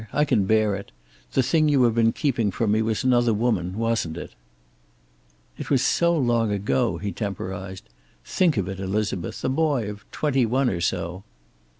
I can bear it. The thing you have been keeping from me was another woman, wasn't it?" "It was so long ago," he temporized. "Think of it, Elizabeth. A boy of twenty one or so."